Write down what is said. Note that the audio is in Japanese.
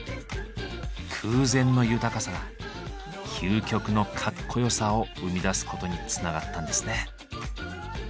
空前の豊かさが究極のかっこよさを生み出すことにつながったんですね。